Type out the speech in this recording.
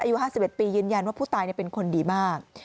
อายุ๕๑ปียืนยันว่าผู้ตายเป็นคนดีมาก